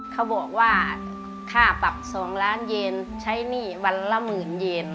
เขาบอกว่าค่าปรับ๒ล้านเยนใช้หนี้วันละหมื่นเยน